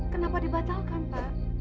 kenapa dibatalkan pak